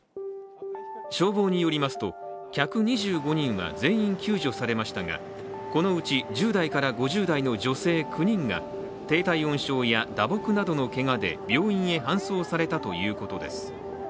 消防によりますと、客２５人は全員救助されましたがこのうち１０代から５０代の女性９人が低体温症や打撲などのけがで病院へ搬送されたということです。